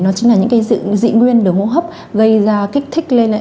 nó chính là những cái dị nguyên đường hô hấp gây ra kích thích lên ấy